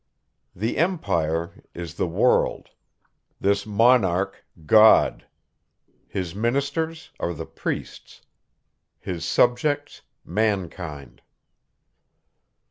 This EMPIRE is the WORLD; this MONARCH GOD; his MINISTERS are the PRIESTS; his SUBJECTS MANKIND.